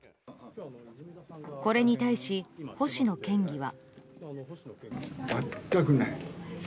これに対し、星野県議は。